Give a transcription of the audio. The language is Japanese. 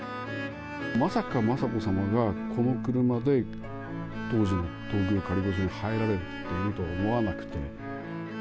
まさか雅子さまがこの車で当時の東宮仮御所に入られると思わなくて。